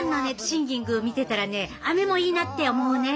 シンギング見てたらね雨もいいなって思うね。